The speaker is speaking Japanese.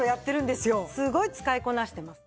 すごい使いこなしてます。